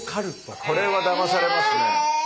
これはだまされますね。